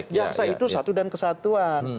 jaksa itu satu dan kesatuan